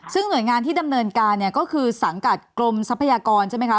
ซึ่งหน่วยงานที่ดำเนินการเนี่ยก็คือสังกัดกรมทรัพยากรใช่ไหมคะ